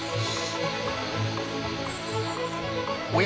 おや？